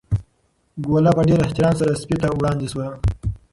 ګوله په ډېر احترام سره سپي ته وړاندې شوه.